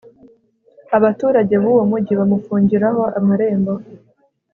abaturage b'uwo mugi bamufungiraho amarembo